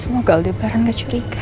semoga aldebaran gak curiga